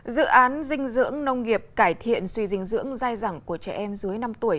dự án dinh dưỡng nông nghiệp cải thiện suy dinh dưỡng dai dẳng của trẻ em dưới năm tuổi